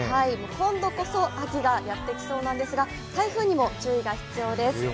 今度こそ秋がやってきそうなんですが、台風にも注意が必要です。